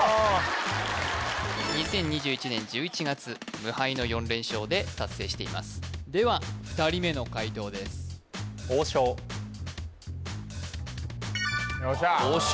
２０２１年１１月無敗の４連勝で達成していますでは２人目の解答ですよっしゃ「王将」